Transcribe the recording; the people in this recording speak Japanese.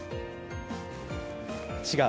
違う？